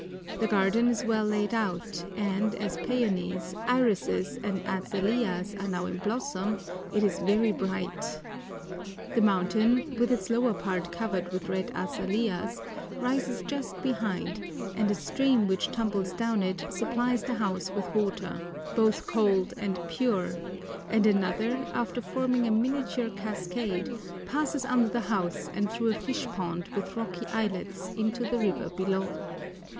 The garden is well laid out, and, as peonies, irises, and azaleas are now in blossom, it is very bright. The mountain, with its lower part covered with red azaleas, rises just behind, and a stream which tumbles down it supplies the house with water, both cold and pure, and another, after forming a miniature cascade, passes under the house and through a fish pond with rocky islets into the river below.